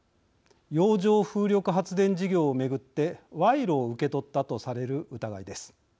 洋上風力発電事業を巡って賄賂を受け取ったとされる疑いです。